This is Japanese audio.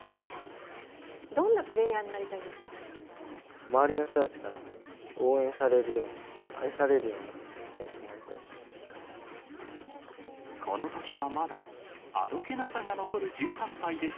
どんなプレーヤーになりたい周りの人たちから応援されるような、愛されるような選手になりたいです。